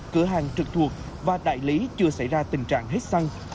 cửa hàng trực thuộc và đại lý chưa xảy ra tình trạng hết xăng